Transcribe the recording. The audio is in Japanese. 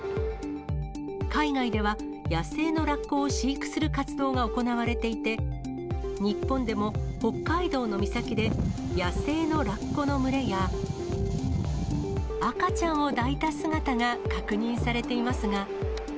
海外では、野生のラッコを飼育する活動が行われていて、日本でも北海道の岬で野生のラッコの群れや、赤ちゃんを抱いた姿が確認されていますが。